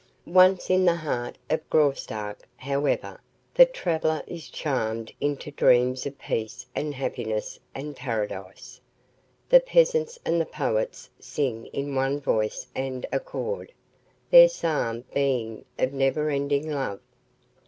Once in the heart of Graustark, however, the traveler is charmed into dreams of peace and happiness and paradise. The peasants and the poets sing in one voice and accord, their psalm being of never ending love.